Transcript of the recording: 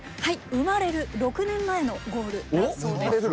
生まれる６年前のゴールだそうです。